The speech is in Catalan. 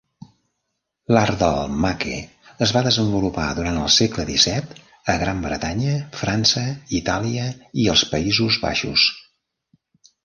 L'art del "maque" es va desenvolupar durant el segle xvii a Gran Bretanya, França, Itàlia i als Països Baixos.